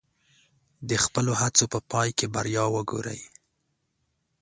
د خپلو هڅو په پای کې بریا وګورئ.